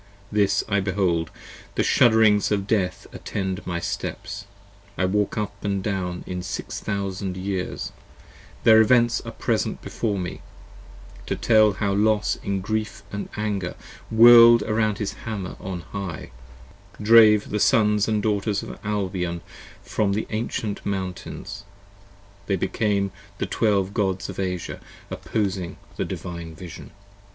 This I behold: the shudderings of death attend my steps. V" I walk up and down in Six Thousand Years: their Events are present before me, 20 To tell how Los in grief & anger, whirling round his Hammer on high, Drave the Sons & Daughters of Albion from their ancient mountains: They became the Twelve Gods of Asia Opposing the Divine Vision.